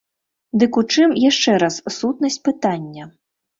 Дык у чым, яшчэ раз, сутнасць пытання?